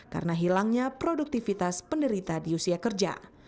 karena hilangnya produktivitas penderita di usia kerja